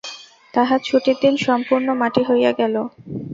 তাহার ছুটির দিন সম্পূর্ণ মাটি হইয়া গেল।